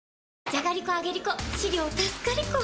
じゃがりこ、あげりこ！